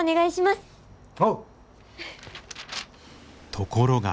ところが。